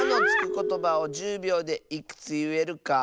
ことばを１０びょうでいくついえるか。